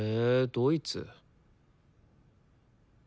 ドイツ！？